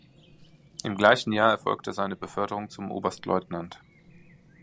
Im gleichen Jahr erfolgte seine Beförderung zum Oberstleutnant.